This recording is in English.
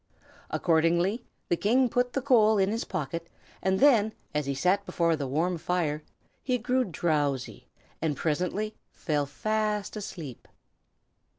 Accordingly the King put the coal in his pocket, and then, as he sat before the warm fire, he grew drowsy, and presently fell fast asleep.